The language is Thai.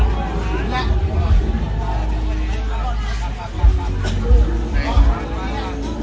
ฟังว่าที่เหี้ยประทุษภวร์ด้วย